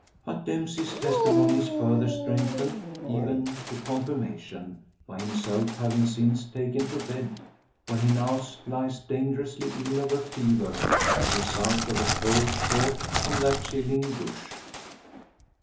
But Dempsey's testimony is further strengthened, even to confirmation, by himself having since taken to bed, where he now lies dangerously ill of a fever, the result of a cold caught from that chilling douche.